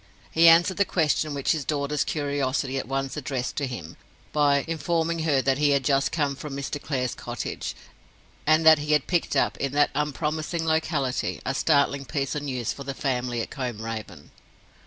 He answered the question which his daughter's curiosity at once addressed to him by informing her that he had just come from Mr. Clare's cottage; and that he had picked up, in that unpromising locality, a startling piece of news for the family at Combe Raven.